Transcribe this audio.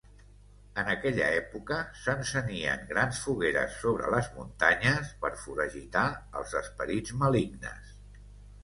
En aquella època, s'encenien grans fogueres sobre les muntanyes per foragitar els esperits malignes.